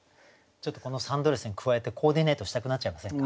ちょっとこのサンドレスに加えてコーディネートしたくなっちゃいませんか？